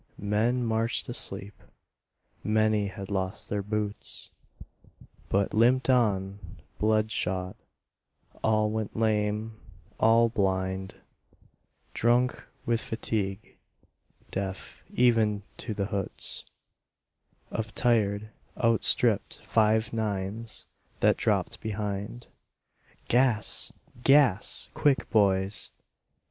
Men marched asleep. Many had lost their boots, But limped on, blood shod. All went lame, all blind; Drunk with fatigue; deaf even to the hoots Of gas shells dropping softly behind. Gas! Gas! Quick, boys!